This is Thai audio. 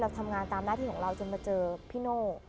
ทำงานตามหน้าที่ของเราจนมาเจอพี่โน่